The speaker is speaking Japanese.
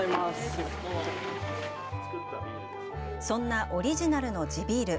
そんなオリジナルの地ビール。